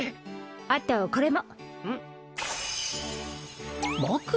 あとこれも枕？